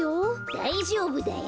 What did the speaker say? だいじょうぶだよ。